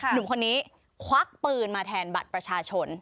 หนุ่มคนนี้ควักปืนมาแทนบัตรประชาชน